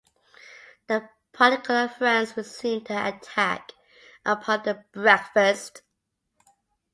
The particular friends resumed their attack upon the breakfast.